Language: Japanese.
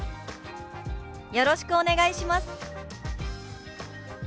「よろしくお願いします」。